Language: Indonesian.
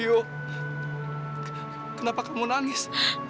yu kenapa kamu nangis